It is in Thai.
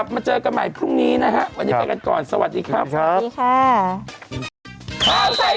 เขาจะไปเอาภาพเต่าเก่าของพวกเรากันมา